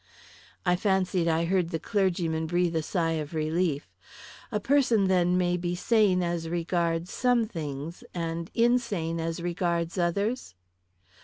I fancied I heard the clergyman breathe a sigh of relief. "A person, then, may be sane as regards some things, and insane as regards others?"